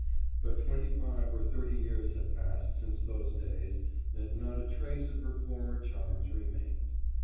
But twenty five or thirty years had passed since those days and not a trace of her former charms remained.